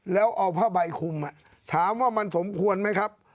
แล้วเอาผ้าใบคุมถามว่ามันสมควรไหมครับ